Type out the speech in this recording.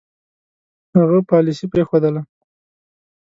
هغه پالیسي پرېښودله.